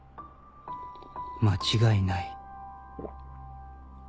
間違いない